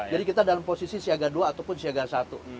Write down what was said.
jadi kita dalam posisi siaga dua ataupun siaga satu